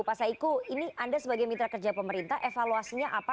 pak saiku ini anda sebagai mitra kerja pemerintah evaluasinya apa